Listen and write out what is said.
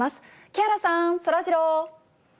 木原さん、そらジロー。